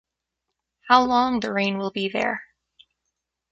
How long the rain will be there?